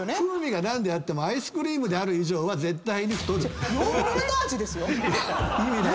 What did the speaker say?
風味が何であってもアイスクリームである以上は絶対に太る。